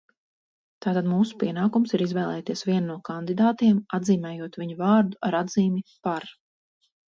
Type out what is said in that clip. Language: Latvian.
"Tātad mūsu pienākums ir izvēlēties vienu no kandidātiem, atzīmējot viņa vārdu ar atzīmi "par"."